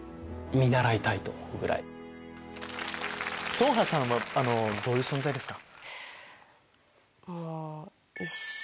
成河さんはどういう存在ですか？